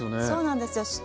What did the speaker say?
そうなんですよ。